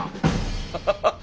ハハハッ。